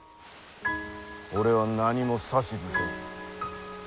俺は何も指図せん。